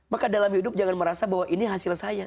maka dalam hidup jangan merasa bahwa ini hasil saya